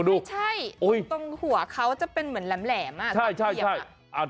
ถึงหัวเขาจะเป็นเหมือนแหลมก็เปรียบ